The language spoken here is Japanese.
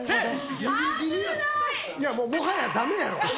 もはや、だめやろ。